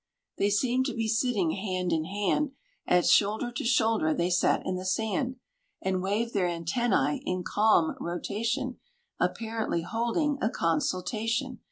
They seemed to be sitting hand in hand, As shoulder to shoulder they sat in the sand, And waved their antennæ in calm rotation, Apparently holding a consultation.